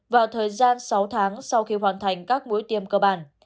vào thời gian sáu tháng sau khi hoàn thành các mũi tiêm cơ bản